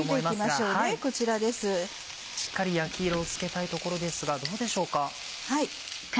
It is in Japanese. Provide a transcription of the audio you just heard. しっかり焼き色をつけたいところですがどうでしょうか？